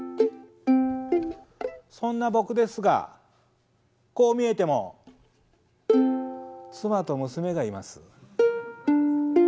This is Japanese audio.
そんな僕ですがこう見えても妻と娘がいます。